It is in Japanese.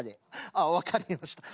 ああ分かりました。